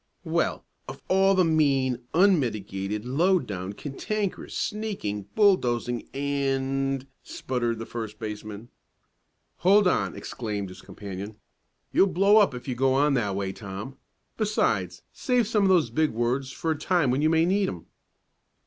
"Well, of all the mean, unmitigated, low down, cantankerous, sneaking, bulldozing and " sputtered the first baseman. "Hold on!" exclaimed his companion. "You'll blow up if you go on that way, Tom. Besides, save some of those big words for a time when you may need 'em."